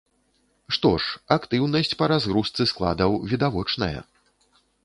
Што ж, актыўнасць па разгрузцы складаў відавочная.